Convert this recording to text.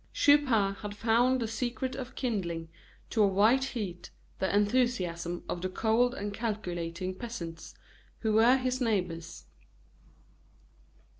Chupin had found the secret of kindling to a white heat the enthusiasm of the cold and calculating peasants who were his neighbors.